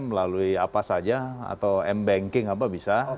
melalui apa saja atau mbanking apa bisa